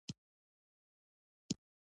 د مهربانۍ خبرې ژوند اسانه کوي.